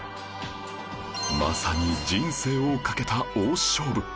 まさに人生をかけた大勝負